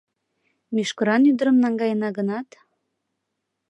Мӱшкыран ӱдырым наҥгаена гынат